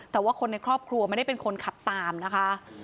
แต่ว่าคนในครอบครัวไม่ได้เป็นคนขับตามนะคะ